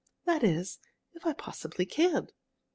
"That is, if I possibly can."